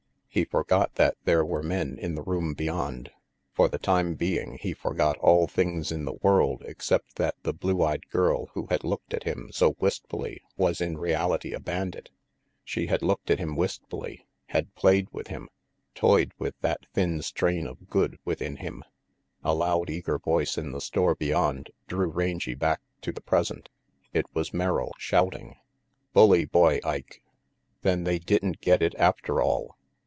He forgot that there were men in the room beyond. For the time being he forgot all things in the world except that the blue eyed girl who had looked at him so wistfully was in reality a bandit. She had looked at him wistfully, had played with him, toyed with that thin strain of good within him RANGY PETE 255 A loud, eager voice in the store beyond drew Rangy back to the present. It was Merrill, shouting: " Bully boy, Ike. Then they didn't get it after all."